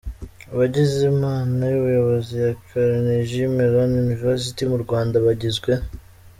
Abagize Inama y’Ubuyobozi ya Carnegie Mellon University mu Rwanda bagizwe :.